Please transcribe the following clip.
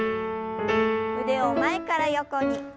腕を前から横に。